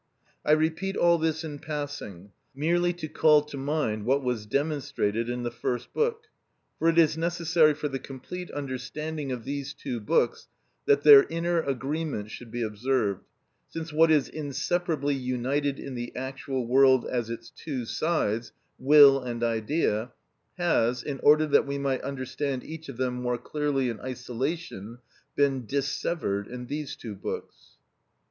I repeat all this in passing, merely to call to mind what was demonstrated in the First Book, for it is necessary for the complete understanding of these two books that their inner agreement should be observed, since what is inseparably united in the actual world as its two sides, will and idea, has, in order that we might understand each of them more clearly in isolation, been dissevered in these two books.